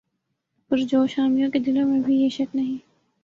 پرجوش حامیوں کے دلوں میں بھی یہ شک نہیں